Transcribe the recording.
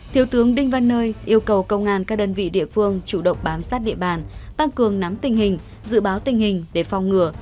thiếu tướng đinh văn nơi yêu cầu công an các đơn vị địa phương chủ động bám sát địa bàn tăng cường nắm tình hình dự báo tình hình để phòng ngừa